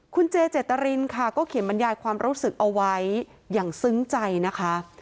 คุณเจเจตรินค่ะก็เขียนบรรยายความรู้สึกเอาไว้อย่างซึ้งใจนะคะ